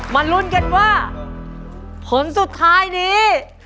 ลุ้นกันว่าผลสุดท้ายนี้